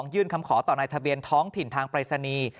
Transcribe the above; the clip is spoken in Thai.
ยื่นคำขอต่อในทะเบียนท้องถิ่นทางปรายศนีย์